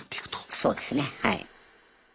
そうですねはい。